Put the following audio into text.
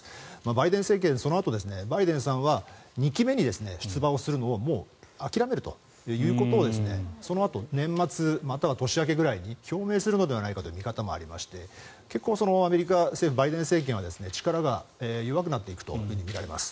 バイデン政権、バイデンさんは２期目に出馬をするのを諦めるということでそのあと年末または年明けぐらいに表明するのではという見方もありまして結構、アメリカ政府バイデン政権は力が弱くなっていくとみられます。